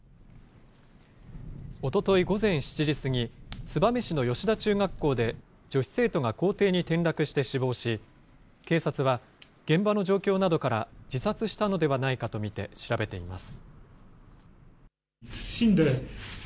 おととい午前７時過ぎ、燕市の吉田中学校で、女子生徒が校庭に転落して死亡し、警察は現場の状況などから自殺したのではないかと見て調べています。